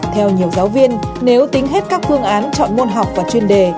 theo nhiều giáo viên nếu tính hết các phương án chọn môn học và chuyên đề